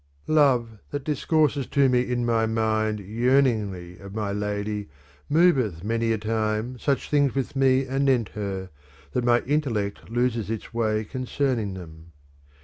'" Love that discourses to me in my mind yearningly of my lady moveth many a time such things with nie anent her that my intellect loses its way concerning them.